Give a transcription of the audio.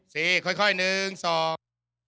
ซีค่อยหนึ่งสอง